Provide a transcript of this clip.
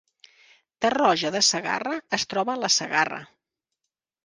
Tarroja de Segarra es troba a la Segarra